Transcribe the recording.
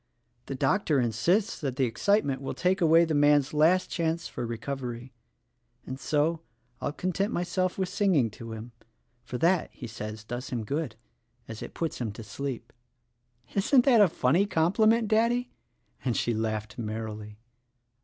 The doctor insists that the excitement will take away the man's last chance for recovery; and so, I'll content myself with singing to him — for, that, he says, does him good — as it puts him to sleep. THE RECORDING ANGEL n Isn't that a funny compliment, Daddy?" and she laughed merrily.